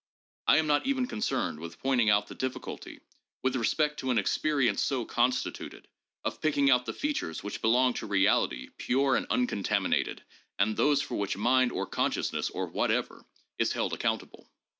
I am not even concerned with pointing out the difficulty, with respect to an experience so constituted, of picking out the features which belong to reality pure and uncontaminated, and those for which mind or consciousness, or whatever, is held account able.